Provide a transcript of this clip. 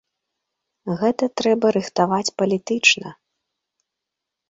Гэта трэба рыхтаваць палітычна.